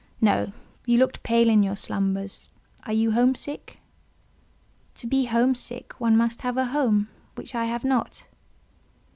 "No. You looked pale in your slumbers: are you home sick?" "To be home sick, one must have a home; which I have not."